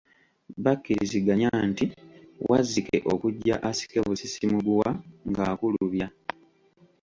Bakkiriziganya nti Wazzike okujja asikebusisi muguwa ng’akulubya.